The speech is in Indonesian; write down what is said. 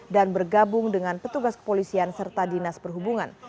dan bergabung dengan petugas kepolisian serta dinas perhubungan